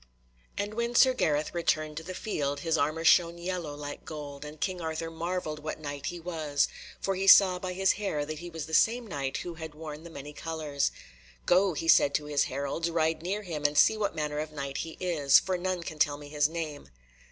And when Sir Gareth returned to the field, his armour shone yellow like gold, and King Arthur marvelled what Knight he was, for he saw by his hair that he was the same Knight who had worn the many colours. "Go," he said to his heralds, "ride near him and see what manner of Knight he is, for none can tell me his name."